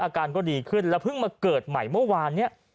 อาการก็ดีขึ้นแล้วเพิ่งมาเกิดใหม่เมื่อวานเนี่ย